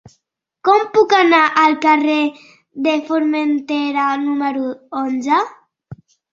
Com puc anar al carrer de Formentera número onze?